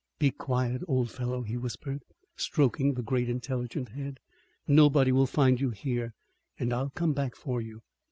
"Be quiet, old fellow," he whispered, stroking the great intelligent head. "Nobody will find you here and I'll come back for you."